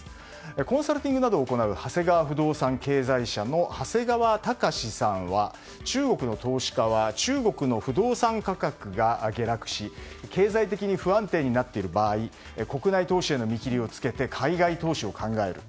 コンサルティングなどを行う長谷川不動産経済社の長谷川高さんは中国の投資家は中国の不動産価格が下落し経済的に不安定になっている場合国内投資への見切りをつけ海外投資を考える。